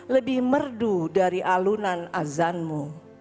lebih merdu dari alunan azanmu